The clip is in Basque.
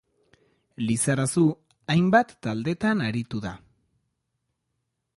Lizarazu hainbat taldetan aritu da.